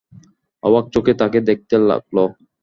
অবাক চোখে তাঁকে দেখতে লাগল।